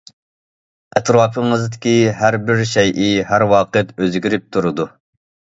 ئەتراپىڭىزدىكى ھەر بىر شەيئى ھەر ۋاقىت ئۆزگىرىپ تۇرىدۇ.